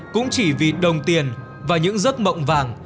cũng chỉ vì đồng tiền và những giấc mộng vàng